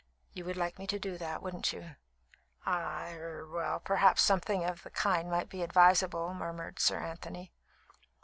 You would like me to do that, wouldn't you?" "I er perhaps something of the kind might be advisable," murmured Sir Anthony.